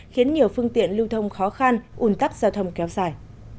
khiến nhiều phương tiện lưu thông khó khăn un tắc giao thông kéo dài